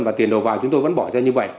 và tiền đầu vào chúng tôi vẫn bỏ ra như vậy